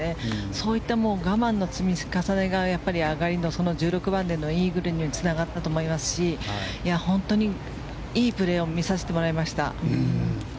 そういった我慢の積み重ねが上がりの１６番でのイーグルにつながったと思いますし本当にいいプレーを見させてもらいました。